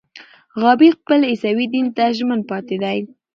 غابي خپل عیسوي دین ته ژمن پاتې دی.